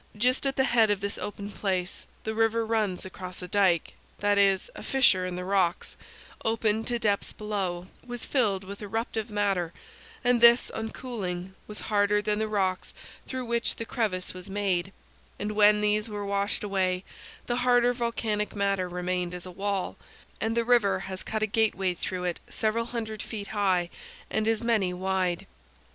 Just at the head of this open place the river runs across a dike; that is, a fissure in the rocks, open to depths below, was filled with eruptive matter, and this on cooling was harder than the rocks through which the crevice was made, and when these were washed away the harder volcanic matter remained as a wall, and the river has cut a gateway through it several hundred feet high and as many wide.